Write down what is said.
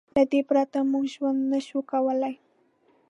له دې پرته موږ ژوند نه شو کولی.